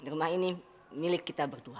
rumah ini milik kita berdua